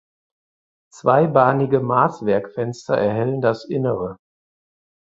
Zweibahnige Maßwerkfenster erhellen das Innere.